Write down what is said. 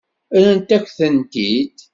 Rrant-ak-tent-id.